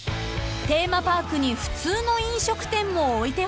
［テーマパークに普通の飲食店も置いてほしい大悟さん］